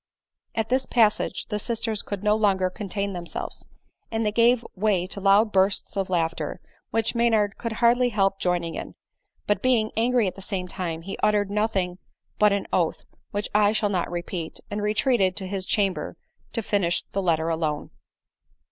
At this passage the asters dould no longer contain themselves, and they gave way to loud bursts of laughter, which Maynard could hardly help joining in; but being angry at the same time, he uttered nothing but an oath, which I shall not repeat, and retreated to his chamber to finish the letter alone.